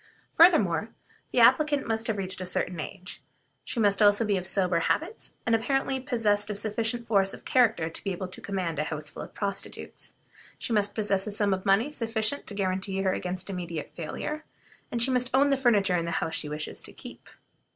Furthermore, the applicant must have reached a certain age. She must also be of sober habits, and apparently possessed of sufficient force of character to be able to command a house full of prostitutes. She must possess a sum of money sufficient to guarantee her against immediate failure, and she must own the furniture in the house she wishes to keep.